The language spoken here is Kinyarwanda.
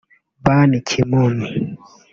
Ban Ki-Moon